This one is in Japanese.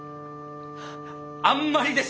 あんまりです！